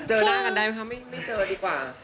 เจอหน้ากันได้ไหมคะไม่เจอดีกว่า